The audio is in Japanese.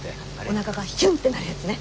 おなかがヒュンってなるやつね。